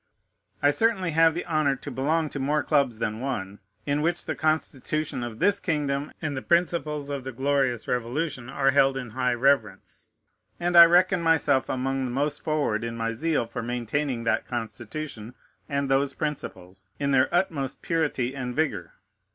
I certainly have the honor to belong to more clubs than one in which the Constitution of this kingdom and the principles of the glorious Revolution are held in high reverence; and I reckon myself among the most forward in my zeal for maintaining that Constitution and those principles in their utmost purity and vigor.